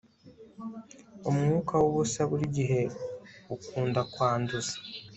umwuka wubusa burigihe ukunda kwanduza